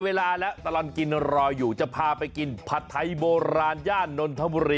เวลาแล้วตลอดกินรออยู่จะพาไปกินผัดไทยโบราณย่านนทบุรี